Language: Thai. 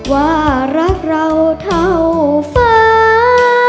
ว่ารักเราเท่าฟ้า